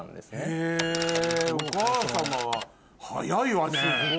へぇお母様は早いわね。